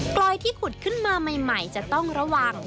ลอยที่ขุดขึ้นมาใหม่จะต้องระวัง